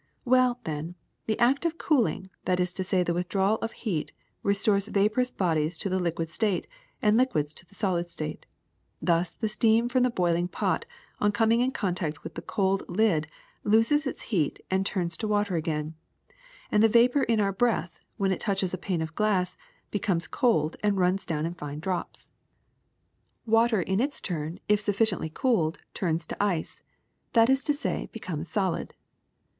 ^^Well, then, the act of cooling, that is to say the withdrawal of heat, restores vaporous bodies to the liquid state, and liquids to the solid state. Thus the steam from the boiling pot on coming in contact with the cold lid loses its heat and turns to water again ; and the vapor in our breath, when it touches a pane of glass, becomes cold and runs do^vn in fine drops. THE THREE STATES OF MATTER 235 Water in its turn if sufficiently cooled turns to ice, that is to say becomes solid.